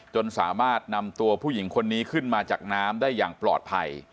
จนสามารถนำตัวผู้หญิงคนนี้ขึ้นมาจากน้ำได้อย่างปลอดภัย